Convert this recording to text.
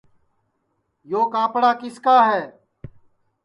یو کاپڑا کِس کا ہے